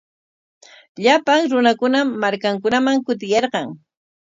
Llapan runakunam markankunaman kutiyarqan.